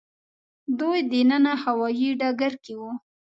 دوی دننه هوايي ډګر کې وو.